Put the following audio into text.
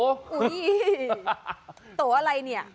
อุ้ยโตอะไรเนี่ย